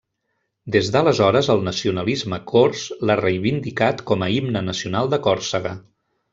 Des d'aleshores el nacionalisme cors l'ha reivindicat com a himne nacional de Còrsega.